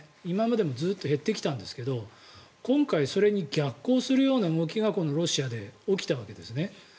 今までもずっと減ってきたんですが今回それに逆行するような動きがこのロシアで起きたわけですね。